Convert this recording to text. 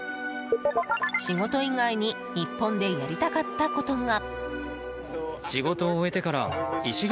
仕事以外に日本でやりたかったことが。